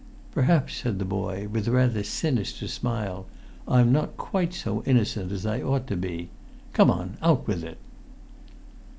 "Perhaps," said the boy, with a rather sinister smile, "I'm not quite so innocent as I ought to be. Come on, out with it!"